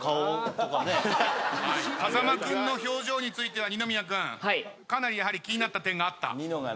風間君の表情については二宮君かなりやはり気になった点があった？